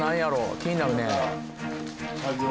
気になるね。